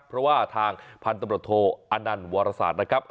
เพราะว่าทางพันธมธโตอานันวราษานะครับ